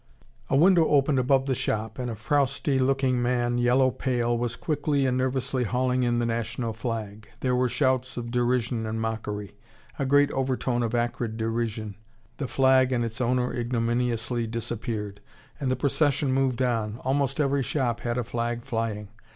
A window opened above the shop, and a frowsty looking man, yellow pale, was quickly and nervously hauling in the national flag. There were shouts of derision and mockery a great overtone of acrid derision the flag and its owner ignominiously disappeared. And the procession moved on. Almost every shop had a flag flying.